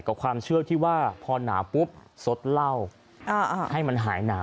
กับความเชื่อที่ว่าพอหนาวปุ๊บสดเหล้าให้มันหายหนาว